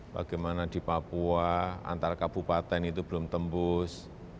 bagaimana di papua antar kabupaten itu belum tembus